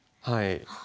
はい。